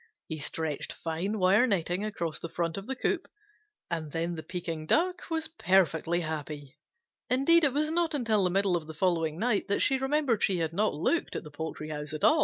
He stretched fine wire netting across the front of the coop, and then the Pekin Duck was perfectly happy. Indeed it was not until the middle of the following night that she remembered she had not looked at the poultry house at all.